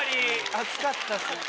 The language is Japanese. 熱かったっすね。